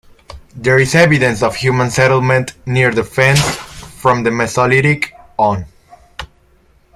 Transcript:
There is evidence of human settlement near the Fens from the Mesolithic on.